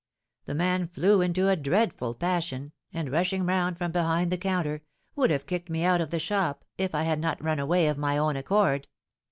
The man flew into a dreadful passion, and rushing round from behind the counter, would have kicked me out of the shop, if I had not run away of my own accord.